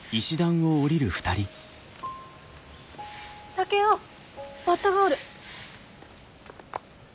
竹雄バッタがおる！